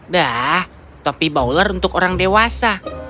bah topi bauler untuk orang dewasa